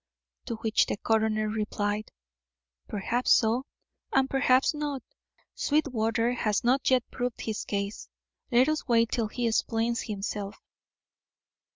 To which the coroner replied: "Perhaps so, and perhaps not. Sweetwater has not yet proved his case; let us wait till he explains himself."